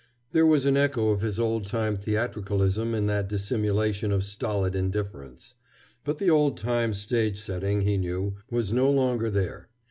There was an echo of his old time theatricalism in that dissimulation of stolid indifference. But the old time stage setting, he knew, was no longer there.